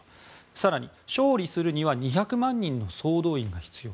更に、勝利するには２００万人の総動員が必要。